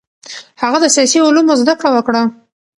هغه د سیاسي علومو زده کړه وکړه.